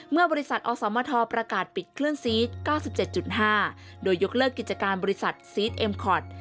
เมื่อบริษัทอสมทประกาศปิดเคลื่อนซีส๙๗๕โดยยกเลิกกิจการบริษัทซีสเอ็มคอร์ด